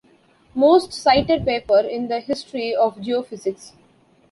Most cited paper in the history of geophysics.